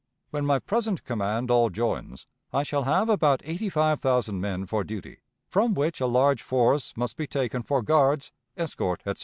... When my present command all joins, I shall have about eighty five thousand men for duty, from which a large force must be taken for guards, escort, etc."